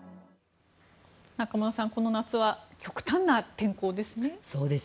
中室さんこの夏は極端な天候ですね。